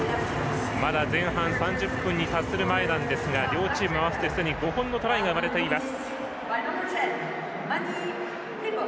まだ前半３０分に達する前ですが両チーム合わせてすでに５本のトライが生まれています。